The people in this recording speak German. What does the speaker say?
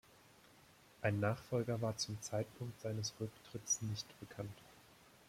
Ein Nachfolger war zum Zeitpunkt seines Rücktritts nicht bekannt.